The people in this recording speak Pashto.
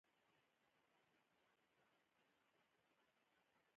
په فېسبوک کې خلک د نړۍ د حالاتو په اړه خبرې کوي